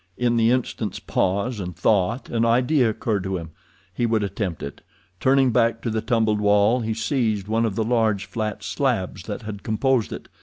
In the instant's pause and thought an idea occurred to him. He would attempt it. Turning back to the tumbled wall, he seized one of the large, flat slabs that had composed it.